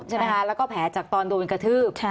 ใช่ไหมคะแล้วก็แผลจากตอนโดนกระทืบ